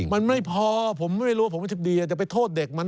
มันไม่พอผมไม่รู้ผมไม่ทริปดีจะไปโทษเด็กมัน